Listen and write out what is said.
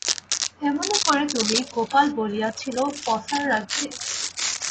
এমনি করে তুমি, গোপাল বলিয়াছিল, পসার রাখবে?